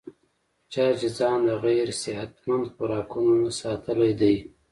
چا چې ځان د غېر صحتمند خوراکونو نه ساتلے دے